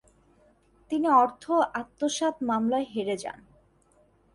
তিনি অর্থ আত্মসাত মামলায় হেরে যান।